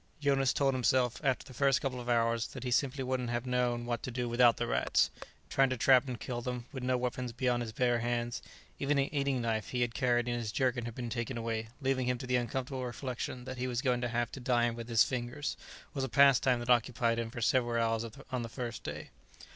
Jonas told himself, after the first couple of hours, that he simply wouldn't have known what to do without the rats. Trying to trap and kill them, with no weapons beyond his bare hands even an eating knife he had carried in his jerkin had been taken away, leaving him to the uncomfortable reflection that he was going to have to dine with his fingers was a pastime that occupied him for several hours on the first day.